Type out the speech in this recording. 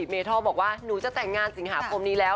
เมทอลบอกว่าหนูจะแต่งงานสิงหาคมนี้แล้ว